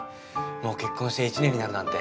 もう結婚して１年になるなんて。